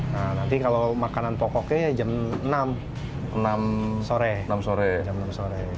nah nanti kalau makanan pokoknya jam enam sore